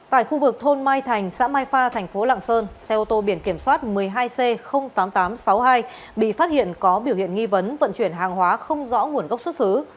tại khu vực thôn mai thành xã mai pha thành phố lạng sơn xe ô tô biển kiểm soát một mươi hai c tám nghìn tám trăm sáu mươi hai bị phát hiện có biểu hiện nghi vấn vận chuyển hàng hóa không rõ nguồn gốc xuất xứ